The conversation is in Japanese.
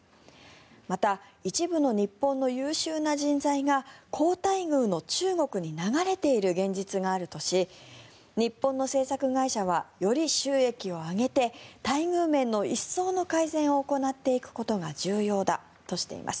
また、一部の日本の優秀な人材が好待遇の中国に流れている現実があるとし日本の制作会社はより収益を上げて待遇面の一層の改善を行っていくことが重要だとしています。